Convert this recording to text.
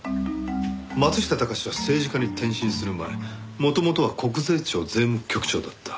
松下隆司は政治家に転身する前元々は国税庁税務局長だった。